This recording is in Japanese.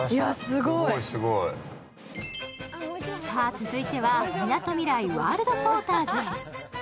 続いては、みなとみらいワールドポーターズへ。